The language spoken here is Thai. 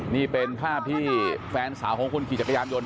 นี่เป็นภาพที่แฟนสาวของคนขี่จักรยานยนต